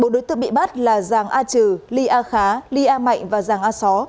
bốn đối tượng bị bắt là giàng a trừ ly a khá ly a mạnh và giàng a só